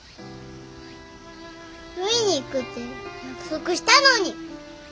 海に行くって約束したのに！